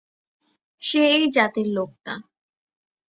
সে এই জাতের লোক না।